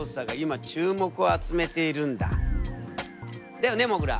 だよねもぐら。